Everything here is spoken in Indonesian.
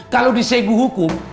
kalau diseguh hukum